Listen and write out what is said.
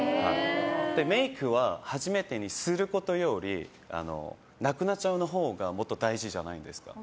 メイクはすることよりなくなっちゃうほうがもっと大事じゃないですか。